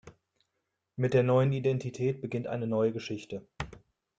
Mit der neuen Identität beginnt eine neue Geschichte.